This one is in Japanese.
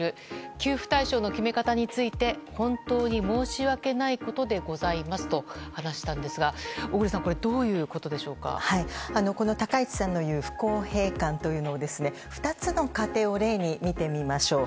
給付対象の決め方について、本当に申し訳ないことでございますと話したんですが、小栗さん、この高市さんの言う不公平感というのをですね、２つの家庭を例に見てみましょう。